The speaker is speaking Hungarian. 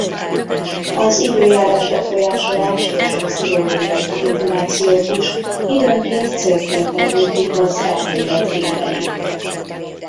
Az időjárás-befolyásolást és a pszichológiai manipulációt is időnként célként említik az elmélet hívei.